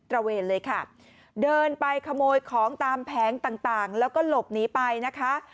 ระเวนเลยค่ะเดินไปขโมยของตามแผงต่างต่างแล้วก็หลบหนีไปนะคะ